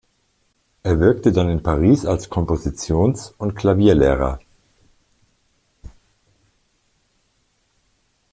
Er wirkte dann in Paris als Kompositions- und Klavierlehrer.